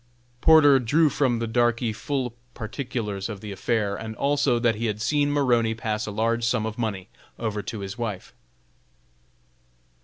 Porter drew from the darkey full particulars of the affair, and also that he had seen Maroney pass a large sum of money over to his wife.